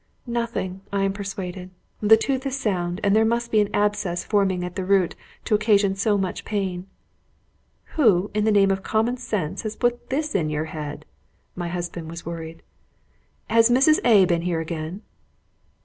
"Nothing, I am persuaded. The tooth is sound, and there must be an abscess forming at the root, to occasion so much pain." "Who, in the name of common sense, has put this in your head?" My husband was worried. "Has Mrs. A been here again?"